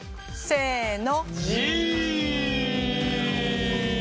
せの！